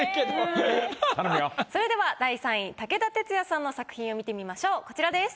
それでは第３位武田鉄矢さんの作品を見てみましょうこちらです。